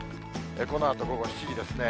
このあと午後７時ですね。